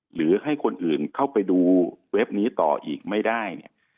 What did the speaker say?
หรือให้คนอื่นเข้าไปดูเว็บนี้ต่ออีกไม่ได้เนี่ย